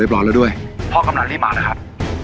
เรียบร้อยแล้วด้วยพ่อกำหนังรีบมาแล้วครับ